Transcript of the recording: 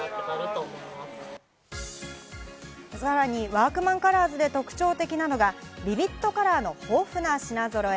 さらにワークマンカラーズで特徴的なのがビビッドカラーの豊富な品揃え。